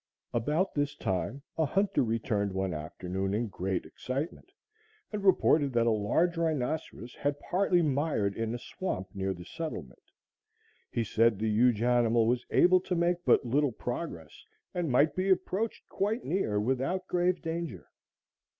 About this time a hunter returned one afternoon in great excitement, and reported that a large rhinoceros had partly mired in a swamp near the settlement. He said the huge animal was able to make but little progress and might be approached quite near without grave danger.